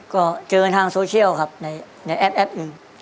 ก็เจอทางโซเชียลครับในแอปหนึ่ง